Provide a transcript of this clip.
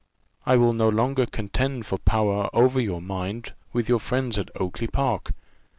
"I will no longer contend for power over your mind with your friends at Oakly park.